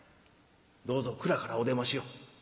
「どうぞ蔵からお出ましを。